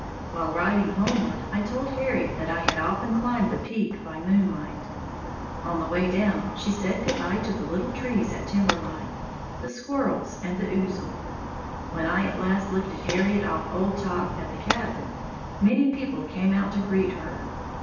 While riding homeward I told Harriet that I had often climbed the peak by moonlight. On the way down she said good bye to the little trees at timber line, the squirrels, and the ouzel. When I at last lifted Harriet off old Top at the cabin, many people came out to greet her.